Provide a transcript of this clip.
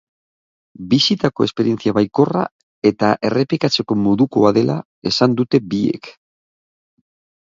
Bizitako esperientzia baikorra eta errepikatzeko modukoa dela esan dute biek.